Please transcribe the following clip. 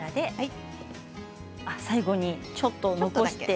最後にちょっと残して。